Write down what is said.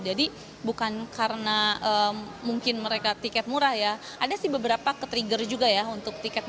jadi bukan karena mungkin mereka tiket murah ya ada sih beberapa ketrigger juga ya untuk tiketnya